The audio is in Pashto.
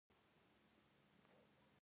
متل دی: خوري شکنه تیز د پولاو اچوي.